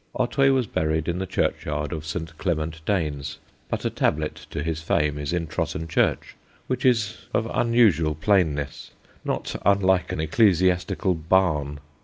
Otway was buried in the churchyard of St. Clement Danes, but a tablet to his fame is in Trotton church, which is of unusual plainness, not unlike an ecclesiastical barn.